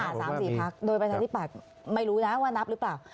สามสี่พักอ่าสามสี่พักโดยไปทางที่ปากไม่รู้น่ะว่านับหรือเปล่า